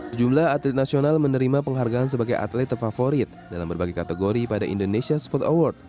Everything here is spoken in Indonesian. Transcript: sejumlah atlet nasional menerima penghargaan sebagai atlet terfavorit dalam berbagai kategori pada indonesia sport award